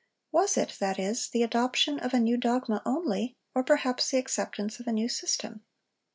Was it, that is, the adoption of a new dogma only, or perhaps the acceptance of a new system?